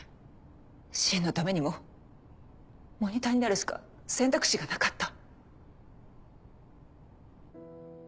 芯のためにもモニターになるしか選択肢がなかった。